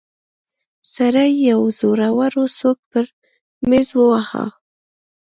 سړي يو زورور سوک پر ميز وواهه.